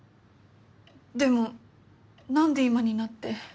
でも何で今になって。